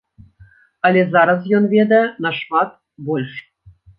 Але зараз ён ведае нашмат больш.